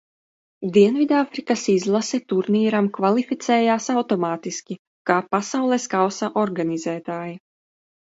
Dienvidāfrikas izlase turnīram kvalificējās automātiski, kā Pasaules kausa organizētāji.